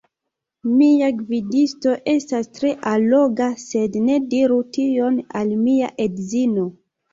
Mia gvidisto estas tre alloga sed ne diru tion al mia edzino!